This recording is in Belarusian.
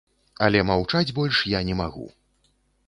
Але маўчаць больш я не магу.